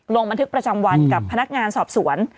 ลงบันทึกประจำวันกับพนักงานสอบสวน